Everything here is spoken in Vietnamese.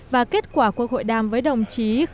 và kết quả cuộc hội đàm với đồng chí nguyễn văn nên